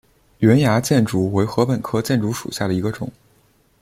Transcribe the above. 圆芽箭竹为禾本科箭竹属下的一个种。